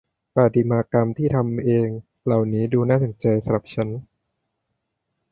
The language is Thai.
ประติมากรรมที่ทำเองเหล่านี้ดูน่าสนใจสำหรับฉัน